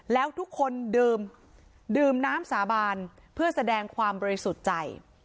แล้วทุกคนดื่มดื่มน้ำสาบานเพื่อแสดงความบริสุทธิ์ใจ